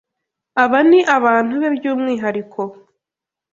Aba ni abantu be by’umwihariko